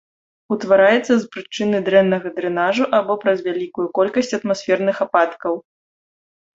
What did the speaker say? Утвараецца з прычыны дрэннага дрэнажу або праз вялікую колькасць атмасферных ападкаў.